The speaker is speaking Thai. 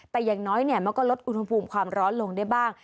แต่อย่างน้อยมันก็ลดอุณหภูมิความร้อนลงได้บ้าง